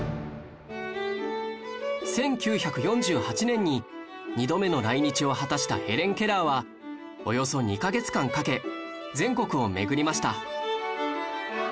１９４８年に２度目の来日を果たしたヘレン・ケラーはおよそ２カ月間かけ全国を巡りました